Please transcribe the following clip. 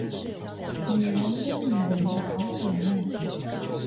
女人跟女人的好姐妹